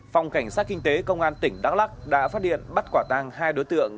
phòng cảnh sát kinh tế công an tỉnh đắk lắc đã phát hiện bắt quả tàng hai đối tượng